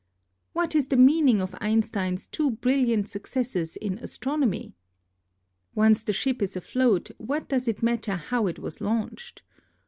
What is the meaning of Einstein's two brilliant successes in astro nomy? Once tl^e ship is afloat what does it matter how it was launched